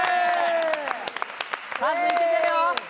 かずいけてるよ！